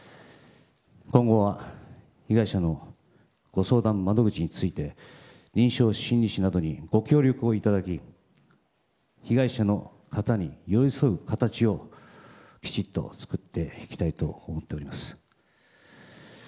今後は被害者のご相談窓口について臨床心理士などにご協力をいただき被害者の方に寄り添う形をきちっと作っていきたいと思っております。